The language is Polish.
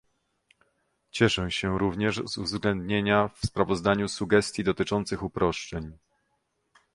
Cieszę się również z uwzględnienia w sprawozdaniu sugestii dotyczących uproszczeń